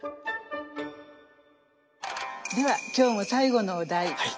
では今日も最後のお題。